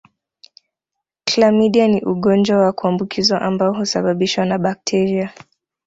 Klamidia ni ugonjwa wa kuambukiza ambao husababishwa na bakteria